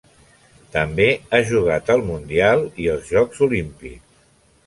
També ha jugat el Mundial i els Jocs Olímpics.